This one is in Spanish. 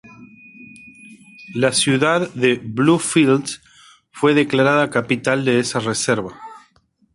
La ciudad de Bluefields fue declarada capital de esa reserva.